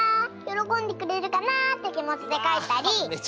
よろこんでくれるかな？ってきもちでかいたり。